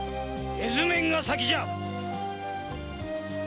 絵図面が先じゃ！